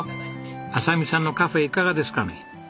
亜沙美さんのカフェいかがですかね？